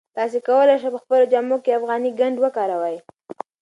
تاسي کولای شئ په خپلو جامو کې افغاني ګنډ وکاروئ.